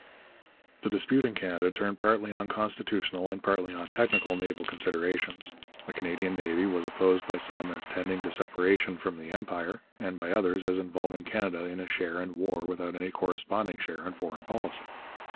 The dispute in Canada turned partly on constitutional, and partly on technical, naval considerations. A Canadian navy was opposed by some as tending to separation from the Empire, and by others as involving Canada in a share in war without any corresponding share in foreign policy.